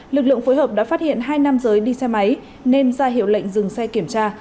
lực lượng phối hợp đã phát hiện hai nam giới đi xe máy nên ra hiệu lệnh dừng xe kiểm tra